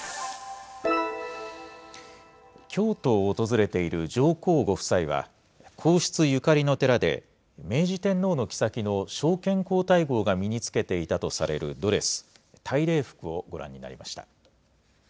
京都を訪れている上皇ご夫妻は、皇室ゆかりの寺で、明治天皇のきさきの昭憲皇太后が身につけていたとされるドレス、大礼服をご覧になりました。